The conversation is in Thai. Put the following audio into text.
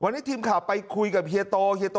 วันนี้ทีมข่าวไปคุยกับเฮียโตเฮียโต